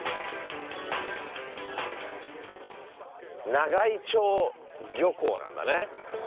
長井町漁港なんだね。